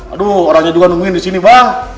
aduh orangnya juga nungguin disini bang